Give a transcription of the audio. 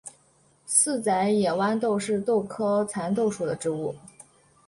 四籽野豌豆是豆科蚕豆属的植物。